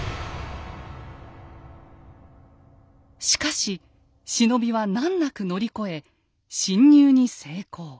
しかし忍びは難なく乗り越え侵入に成功。